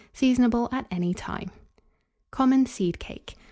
Seasonable at any time. COMMON SEED CAKE.